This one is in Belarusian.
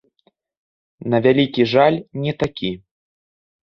На вялікі жаль, не такі.